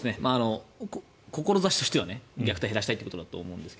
志としては虐待を減らしたいということだったと思うんですが。